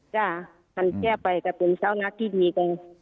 ใช่คันแก้ไปก็เป็นชาวนักนาโรคดีกี่คน